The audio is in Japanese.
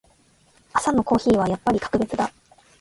朝のコーヒーはやっぱり格別だ。